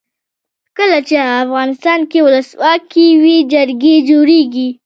کله چې افغانستان کې ولسواکي وي جرګې جوړیږي.